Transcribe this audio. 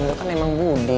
lo kan emang budi